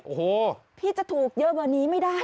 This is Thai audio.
โอ้โฮพี่จะถูกเยอะเบอร์นี้ไม่ได้นะคะ